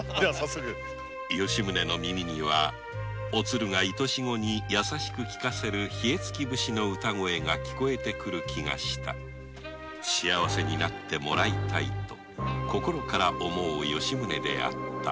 吉宗の耳にはおつるがいとし子に優しく聞かせるヒエツキ節の歌声が聞こえて来る気がした幸せになってもらいたいと心から思う吉宗であった